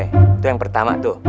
itu yang pertama tuh